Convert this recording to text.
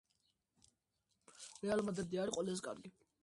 მდებარეობს ახალციხის ქვაბულის აღმოსავლეთ ნაწილში, მდინარე ოთის ნაპირას.